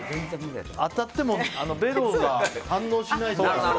当たってもベロが反応しない。